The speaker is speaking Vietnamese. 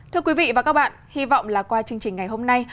thưa quý vị và các bạn hy vọng là qua chương trình ngày hôm nay